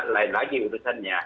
lain lagi urusannya